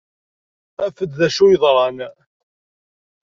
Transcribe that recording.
Af-d d acu ay yeḍran.